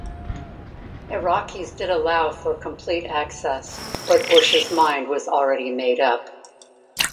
Iraqis did allow for complete access but Bush's mind was already made up.